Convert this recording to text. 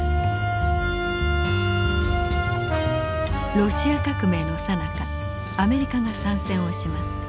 ロシア革命のさなかアメリカが参戦をします。